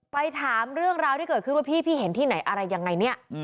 ไปถามเรื่องราวที่เกิดขึ้นว่าพี่เห็นที่ไหนอะไรยังไงเนี่ย